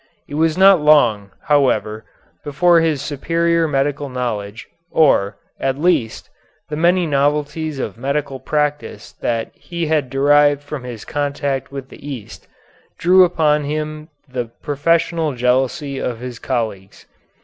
It was not long, however, before his superior medical knowledge, or, at least, the many novelties of medical practice that he had derived from his contact with the East, drew upon him the professional jealousy of his colleagues.